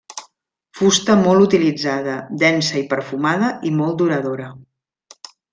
Fusta molt utilitzada, densa i perfumada i molt duradora.